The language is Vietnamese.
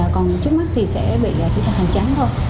còn trước mắt thì sẽ bị xử phạt hành chánh thôi